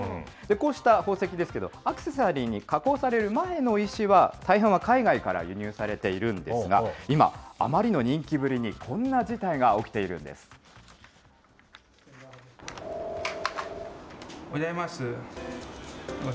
こうした宝石ですけど、アクセサリーに加工される前の石は、たいがいは海外から輸入されているんですが、今、あまりの人気ぶりに、こんな事態が起きているんです。